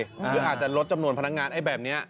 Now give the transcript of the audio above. หรืออาจจะลดจำนวนพนักงานไอ้แบบนี้